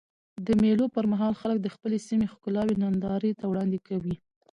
د مېلو پر مهال خلک د خپلي سیمي ښکلاوي نندارې ته وړاندي کوي.